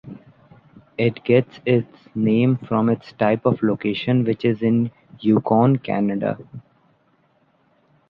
It gets its name from its type of location, which is in Yukon, Canada.